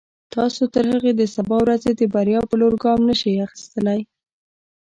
تاسو تر هغې د سبا ورځې د بریا په لور ګام نشئ اخیستلای.